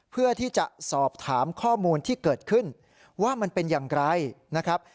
เพื่อที่จะสอบถามข้อมูลที่เกิดขึ้นว่ามันเป็นอย่างไรนะครับ